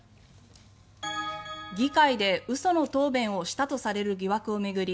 議会で嘘の答弁をしたとされる疑惑を巡り